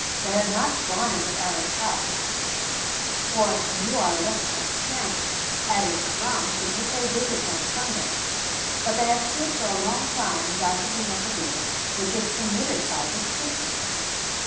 They had not gone into Aaron's house, for you are looked askance at in Thrums if you pay visits on Sundays, but they had stood for a long time gossiping at the door, which is permitted by the strictest.